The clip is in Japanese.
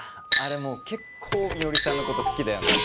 もう結構美織さんのこと好きだよね